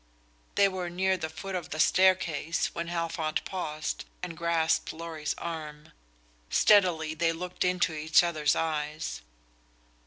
They were near the foot of the staircase when Halfont paused and grasped Lorry's arm. Steadily they looked into each other's eyes.